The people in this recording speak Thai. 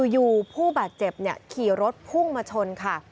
อยู่ผู้บาดเจ็บขี่รถพุ่งมาชนค่ะ